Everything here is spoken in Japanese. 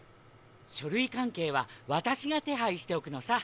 書類関係は私が手配しておくのさ！